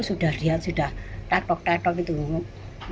sudah dia sudah tak tok tak tok